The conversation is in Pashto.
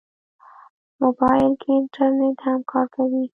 موبایل کې انټرنیټ هم کار کوي.